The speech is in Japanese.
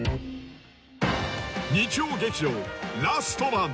日曜劇場「ラストマン」